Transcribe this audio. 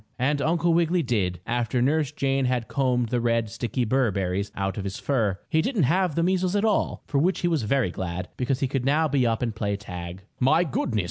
And Uncle Wiggily did, after Nurse Jane had combed the red, sticky burr berries out of his fur. He didn't have the measles at all, for which he was very glad, because he could now be up and play tag. "My goodness!